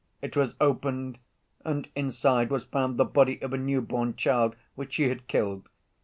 It was opened and inside was found the body of a new‐born child which she had killed.